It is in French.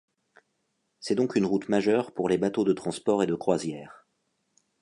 C'est donc une route majeure pour les bateaux de transport et de croisière.